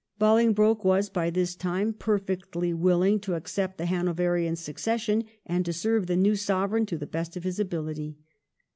Bolingbroke was by this time perfectly willing to accept the Hanoverian succession, and to serve the new Sovereign to the best of his ability.